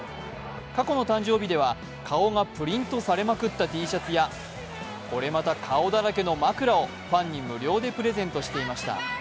過去の誕生日では顔がプリントされまくったＴシャツやこれまた顔だらけの枕をファンに無料でプレゼントしていました。